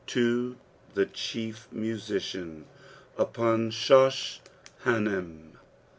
To the Chief Musician upon Shosh&imim.